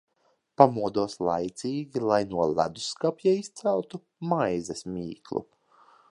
Pamodos laicīgi, lai no ledusskapja izceltu maizes mīklu.